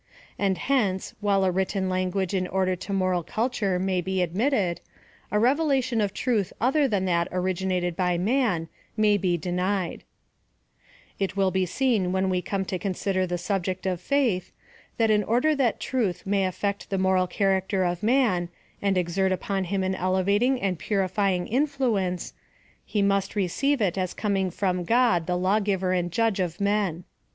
And hence while a written language in order to moral culture may be admittsd, a revelation of truth other than that originated by man may be denied. PLAN OF SALVATION. 267 It will be seen when we come to consider tlie subject of faith, that in order that truth may aft'ect the moral character of man, and exert upon him an elevating and purifying influence, he must receive it as coming from God, the Lawgiver and Judge of nien.